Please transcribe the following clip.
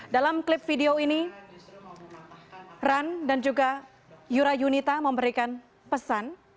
dalam klip video ini run dan juga yurayunita memberikan pesan